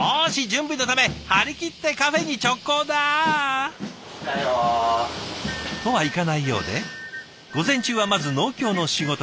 準備のため張り切ってカフェに直行だ！とはいかないようで午前中はまず農協の仕事から。